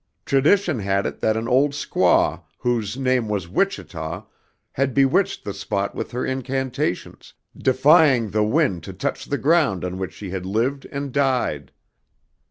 Tradition had it that an old squaw whose name was Wichita had bewitched the spot with her incantations, defying the wind to touch the ground on which she had lived and died.